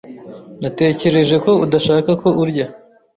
Natekereje ko udashaka ko urya.